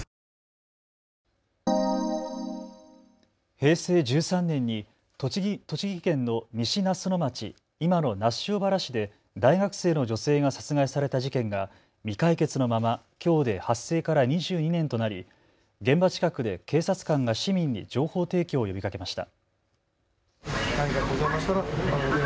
平成１３年に栃木県の西那須野町、今の那須塩原市で大学生の女性が殺害された事件が未解決のままきょうで発生から２２年となり現場近くで警察官が市民に情報提供を呼びかけました。